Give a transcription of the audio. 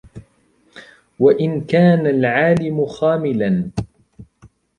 وَإِنْ كَانَ الْعَالِمُ خَامِلًا